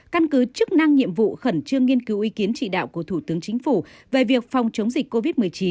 căn cứ chức năng nhiệm vụ khẩn trương nghiên cứu ý kiến chỉ đạo của thủ tướng chính phủ về việc phòng chống dịch covid một mươi chín